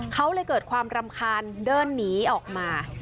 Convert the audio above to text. เขาเลยเกิดความรำคาญเดินหนีออกมา